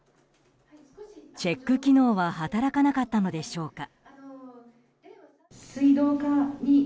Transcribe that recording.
チェック機能は働かなかったのでしょうか。